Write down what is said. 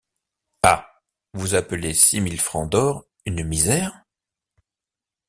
Ah! vous appelez six mille francs d’or une misère?